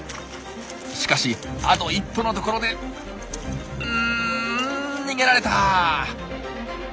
しかしあと一歩のところでうん逃げられた。